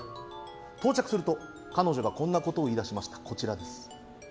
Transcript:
到着すると、彼女がこんなことを言い出しました。